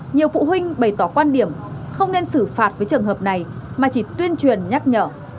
nhiều phụ huynh bày tỏ quan điểm không nên xử phạt với trường hợp này mà chỉ tuyên truyền nhắc nhở